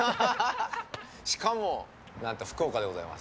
しかも何と福岡でございます。